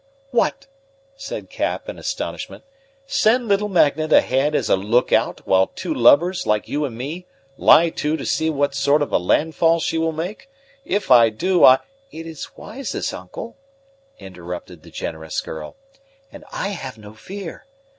"What!" said Cap in astonishment; "send little Magnet ahead as a lookout, while two lubbers, like you and me, lie to to see what sort of a landfall she will make! If I do, I " "It is wisest, uncle," interrupted the generous girl, "and I have no fear.